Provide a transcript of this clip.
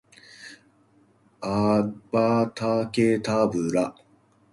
アバタケタブラ